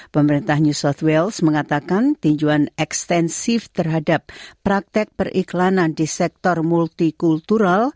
pemerintah new south wales mengatakan tinjuan ekstensif terhadap praktek periklanan di sektor multikultural